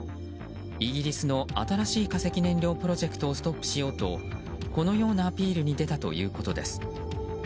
イギリスの新しい化石燃料プロジェクトをストップしようと、このようなアピールに出たということです。